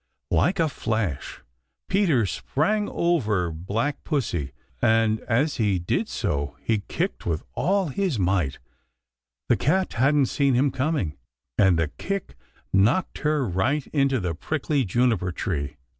Like a flash Peter sprang over Black Pussy, and as he did so he kicked with all his might. The cat hadn't seen him coming, and the kick knocked her right into the prickly juniper tree.